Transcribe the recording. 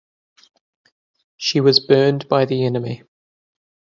She was burned by the enemy.